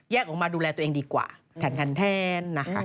แยกออกมาดูแลตัวเองดีกว่าแทน